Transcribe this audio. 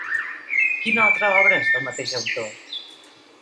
Quina altra obra és del mateix autor?